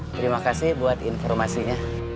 terima kasih buat informasinya